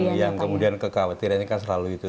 ya itu yang kemudian kekhawatirannya kan selalu itu